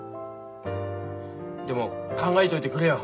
でも考えといてくれよ。